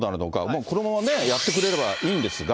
もうこのままやってくれればいいんですが。